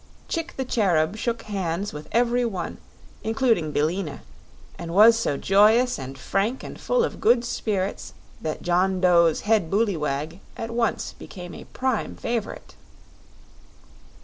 Chick the Cherub shook hands with every one, including Billina, and was so joyous and frank and full of good spirits that John Dough's Head Booleywag at once became a prime favorite.